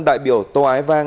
đại biểu tô ái vang